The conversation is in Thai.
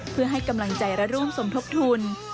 เพื่อให้กำลังใจและร่วมสมทบทุน